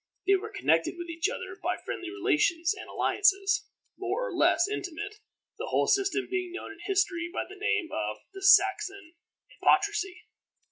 They were connected with each other by friendly relations and alliances, more or less intimate, the whole system being known in history by the name of the Saxon Heptarchy.